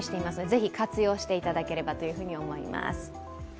ぜひ活用していただければと思います。